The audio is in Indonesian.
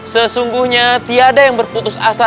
sesungguhnya tiada yang berputus asa